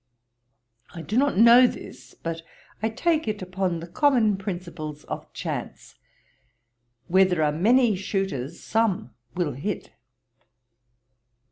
I do not know this; but I take it upon the common principles of chance. Where there are many shooters, some will hit.'